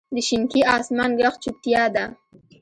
د شینکي اسمان ږغ چوپتیا ده.